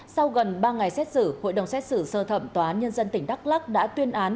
sau gần ba ngày xét xử hội đồng xét xử sơ thẩm tòa án nhân dân tỉnh đắk lắc đã tuyên án